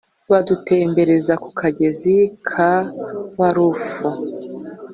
badutembereza ku kagezi ka warufu,